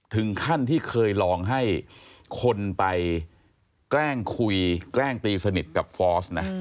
ถึงขั้นที่เคยลองให้คนไปแกล้งคุยแกล้งตีสนิทกับฟอสนะ